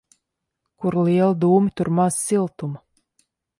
Kur lieli dūmi, tur maz siltuma.